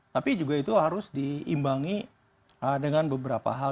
tapi juga itu harus diimbangi dengan beberapa hal